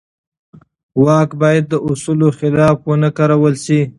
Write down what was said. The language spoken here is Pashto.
واک باید د اصولو خلاف ونه کارول شي.